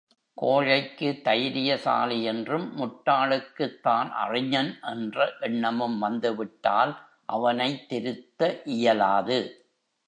கோழைக்கு தைரியசாலி என்றும், முட்டாளுக்குத் தான் அறிஞன் என்ற எண்ணமும் வந்து விட்டால் அவனைத் திருத்த இயலாது.